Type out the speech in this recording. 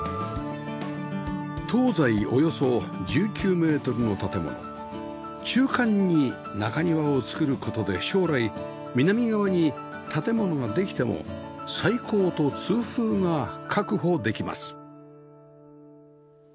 東西およそ１９メートルの建物中間に中庭を造る事で将来南側に建物ができても採光と通風が確保できます